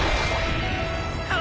あ！！